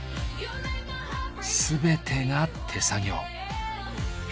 全てが手作業。